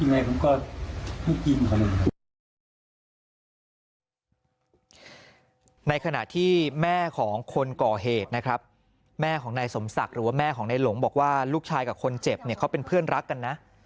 ในขณะที่แม่ของคนก่อเหตุนะครับแม่ของนายสมศักดิ์หรือว่าแม่ของในหลงบอกว่าลูกชายกับคนเจ็บเนี่ยเขาเป็นเพื่อนรักกันนะ